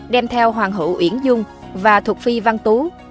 đem theo hoàng hữu uyển dung và thuộc phi văn tú